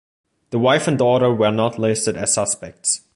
The wife and daughter were not listed as suspects.